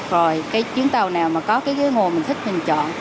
rồi cái chuyến tàu nào mà có cái ghế ngồi mình thích mình chọn